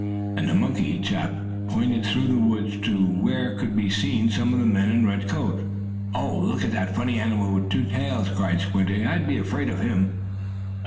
and the monkey chap pointed through the woods to where could be seen some men in red coats. "Oh, and look at that funny animal with two tails!" cried Squinty. "I'd be afraid of him."